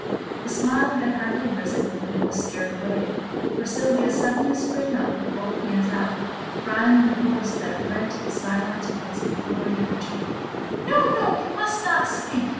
The smile had hardly risen when it was scared away, for Sylvia suddenly sprung up with both hands out, crying in a voice that rent the silence with its imploring energy "No, no, you must not speak!